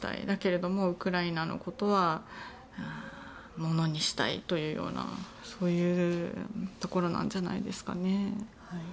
だけど、ウクライナのことはものにしたいというようなそういうところなんじゃないですかね。